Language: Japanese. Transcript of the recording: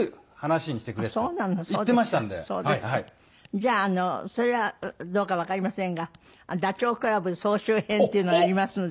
じゃあそれはどうかわかりませんがダチョウ倶楽部総集編っていうのがありますので。